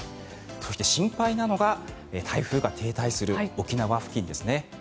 そして、心配なのが台風が停滞する沖縄付近ですね。